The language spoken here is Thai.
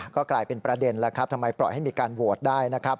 ก็กลายเป็นประเด็นแล้วครับทำไมปล่อยให้มีการโหวตได้นะครับ